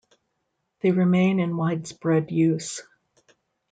They remain in widespread use.